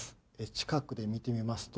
近くで見てみますと、